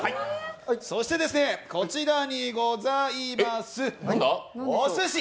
そして、こちらにございます、おすし。